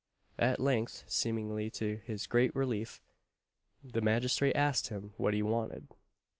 At length, seemingly to his great relief, the magistrate asked him what he wanted.